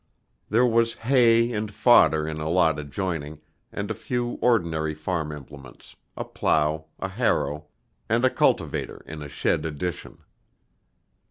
There was hay and fodder in a lot adjoining, and a few ordinary farm implements, a plow, a harrow, and a cultivator in a shed addition.